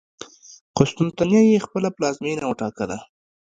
قسطنطنیه یې خپله پلازمېنه وټاکله.